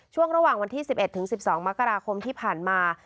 ช่วงระหว่างวันที่๑๑๑๒มกราคมที่ผ่านมา